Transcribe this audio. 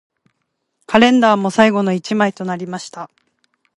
カレンダーも最後の一枚となりました